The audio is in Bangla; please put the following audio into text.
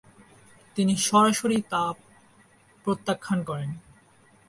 তিনি সরাসরি তা প্রত্যাখ্যান করেন।